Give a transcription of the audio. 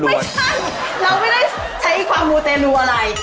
ไม่ใช่เราไม่ได้ใช้ความมูเตรลูอะไร